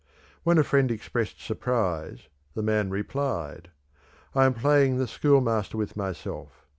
When a friend expressed surprise, the man replied: 'I am playing the schoolmaster with myself.